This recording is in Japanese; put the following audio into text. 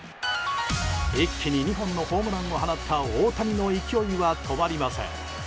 一気に２本のホームランを放った大谷の勢いは止まりません。